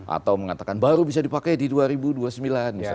atau mengatakan baru bisa dipakai di dua ribu dua puluh sembilan misalnya